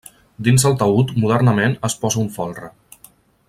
Dins el taüt modernament es posa un folre.